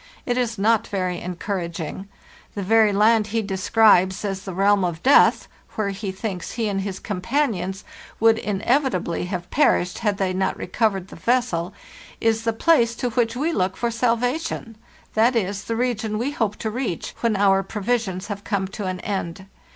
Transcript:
It is not very encouraging. The very land he describes as the realm of Death, where he thinks he and his companions would inevitably have perished had they not recovered the vessel, is the place to which we look for salvation; that is the region we hope to reach when our provisions have come to an end.